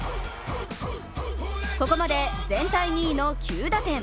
ここまで全体２位の９打点。